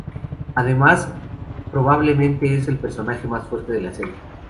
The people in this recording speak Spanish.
Además probablemente es el personaje más fuerte de la serie.